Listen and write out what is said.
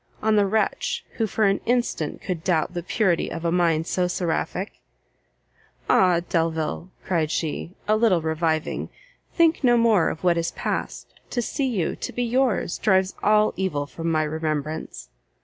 on the wretch, who for an instant could doubt the purity of a mind so seraphic!" "Ah, Delvile!" cried she, a little reviving, "think no more of what is past! to see you, to be yours, drives all evil from my remembrance!"